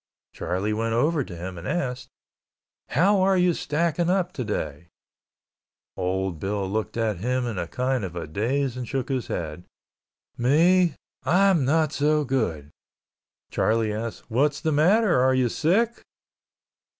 Charlie went over to him and asked, "How are you stacking up today?" Old Bill looked at him in a kind of a daze and shook his head. "Me? I'm not so good." Charlie asked, "What's the matter, are you sick?"